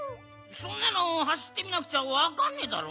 そんなのはしってみなくちゃわかんねえだろ。